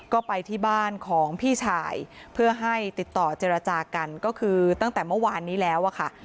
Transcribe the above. ก็ไปที่บ้านของพี่ชายเพื่อให้ติดต่อเจรจากันก็คือตั้งแต่เมื่อวานนี้แล้วอะค่ะ